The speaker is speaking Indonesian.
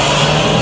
aku mau ke rumah